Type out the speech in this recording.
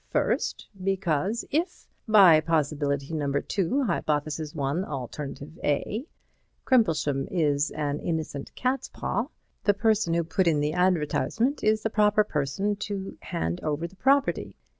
First, because, if (by Possibility No. 2, Hypothesis 1, Alternative A) Crimplesham is an innocent catspaw, the person who put in the advertisement is the proper person to hand over the property.